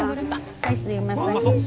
はいすいません。